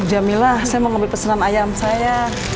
jamilah saya mau ambil pesanan ayam saya